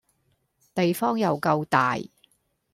地方又夠大